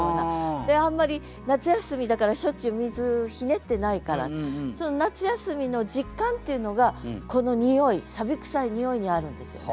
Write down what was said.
あんまり夏休みだからしょっちゅう水ひねってないから夏休みの実感っていうのがこのにおいくさいにおいにあるんですよね。